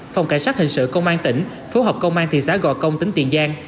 phòng cảnh sát hình sự công an tỉnh phố học công an thị xã gò công tỉnh tiền giang